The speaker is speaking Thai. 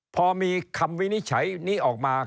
พอมีคำวินิจฉัยนี้ออกมา